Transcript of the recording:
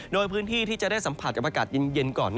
โดยพื้นที่ที่จะได้สัมผัสกับอากาศเย็นก่อน